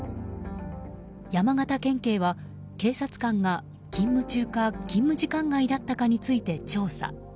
山形県警は警察官が勤務中か勤務時間外だったかについて調査。